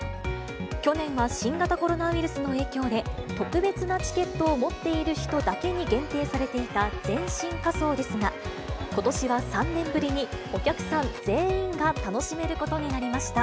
去年は、新型コロナウイルスの影響で、特別なチケットを持っている人だけに限定されていた全身仮装ですが、ことしは３年ぶりに、お客さん全員が楽しめることになりました。